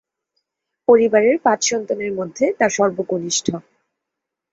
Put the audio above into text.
পরিবারের পাঁচ সন্তানের মধ্যে তার সর্বকনিষ্ঠ।